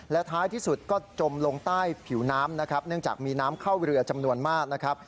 และท้ายที่สุดก็จมลงใต้ผิวน้ำนะครับเนื่องจากมีน้ำเข้าเรือจำนวนมากนะครับ